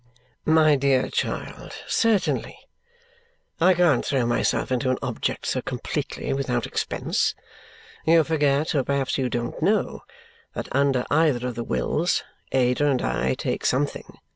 "My dear child, certainly. I can't throw myself into an object so completely without expense. You forget, or perhaps you don't know, that under either of the wills Ada and I take something.